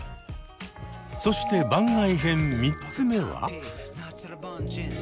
そして番外編３つ目は？